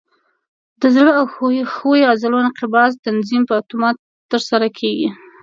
د زړه او ښویو عضلو انقباض تنظیم په اتومات ترسره کېږي.